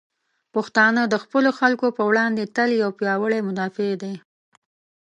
پښتانه د خپلو خلکو په وړاندې تل یو پیاوړي مدافع دی.